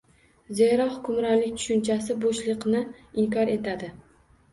Zero, «hukmronlik» tushunchasi bo‘shliqni inkor etadi